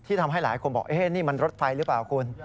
ทำให้หลายคนบอกนี่มันรถไฟหรือเปล่าคุณ